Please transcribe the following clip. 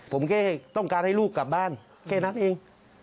ผมแค่ต้องการให้ลูกกลับบ้านแค่นั้นเอง